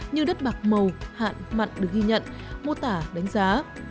như đất bạc màu hạn mặn được ghi nhận mô tả đánh giá